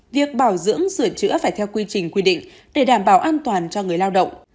việc bảo dưỡng sửa chữa phải theo quy trình quy định để đảm bảo an toàn cho người lao động